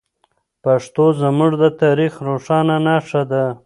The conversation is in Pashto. پښتو زموږ د تاریخ روښانه نښه ده.